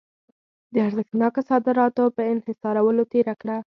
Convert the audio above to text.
د ارزښتناکه صادراتو په انحصارولو تېره کړه.